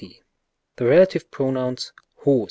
70, The relative pronoun us.